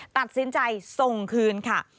ตัดสินใจส่งคืนค่ะ